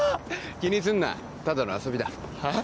気にすんなただの遊びだえっ？